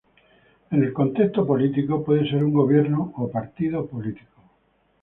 En el contexto político puede ser un gobierno o partido político.